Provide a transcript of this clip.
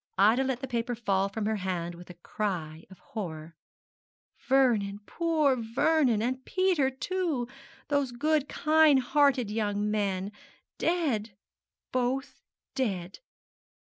Ida let the paper fall from her hand with a cry of horror. 'Vernon, poor Vernon, and Peter too those good, kind hearted young men dead both dead!'